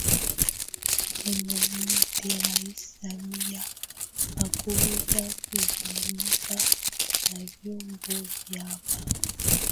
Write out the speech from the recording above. Humo mote Rais Samia hakuweza kuzungumza na vyombo vya habari